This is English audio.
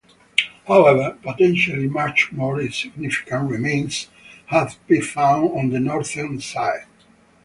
However, potentially much more significant remains have been found on the northern side.